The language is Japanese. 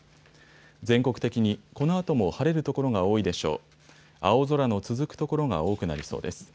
全国的にこのあとも晴れる所が多いでしょう。